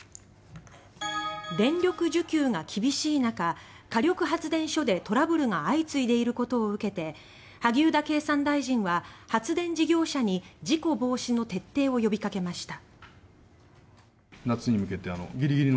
電力需給が厳しい中火力発電所でトラブルが相次いでいることを受けて萩生田経産大臣は発電事業者に事故防止の徹底を呼びかけました。